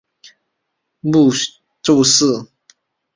母邹氏。